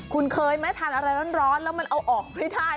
คุณเคยไหมทานอะไรร้อนแล้วมันเอาออกไม่ได้